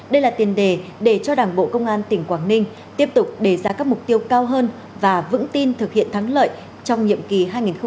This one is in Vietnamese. đây là tiền đề để cho đảng bộ công an tỉnh quảng ninh tiếp tục đề ra các mục tiêu cao hơn và vững tin thực hiện thắng lợi trong nhiệm kỳ hai nghìn hai mươi hai nghìn hai mươi năm